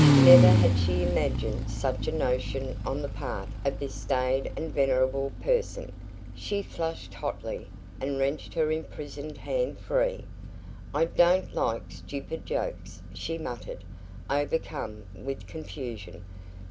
Never had she imagined such a notion on the part of this staid and venerable person. She flushed hotly, and wrenched her imprisoned hand free. "I don't like stupid jokes," she muttered, overcome with confusion.